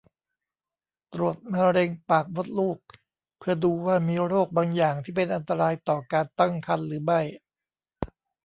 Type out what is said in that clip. ตรวจมะเร็งปากมดลูก เพื่อดูว่ามีโรคบางอย่างที่เป็นอันตรายต่อการตั้งครรภ์หรือไม่